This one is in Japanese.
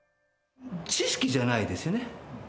知識じゃないですよね。